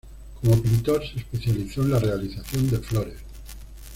Como pintor se especializó en la realización de flores.